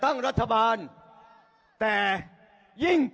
ถามเพื่อให้แน่ใจ